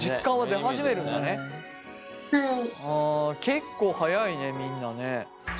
結構早いねみんなね。